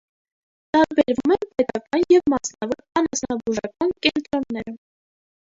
Տարբերվում են պետական և մասնավոր անասնաբուժական կենտրոնները։